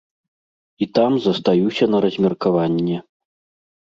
І там застаюся на размеркаванне.